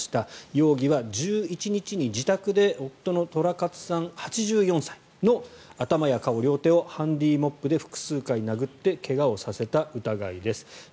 容疑は１１日に自宅で夫の寅勝さん、８４歳の頭や顔、両手をハンディーモップで複数回、殴って怪我をさせた疑いです。